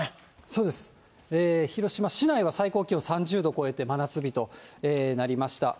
そうです、広島市内は最高気温３０度超えて真夏日となりました。